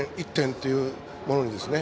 １点、１点というものに。